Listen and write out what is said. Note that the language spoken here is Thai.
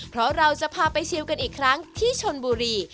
เพราะเราจะพาไปชิวกันอีกครั้งที่ชนบุรี